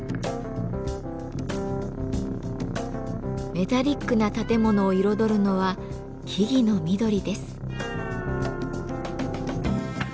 メタリックな建物を彩るのは木々の緑です。